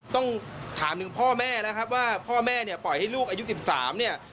ต้องถามถึงพ่อแม่นะครับว่าพ่อแม่เนี่ยปล่อยให้ลูกอายุ๑๓เนี่ย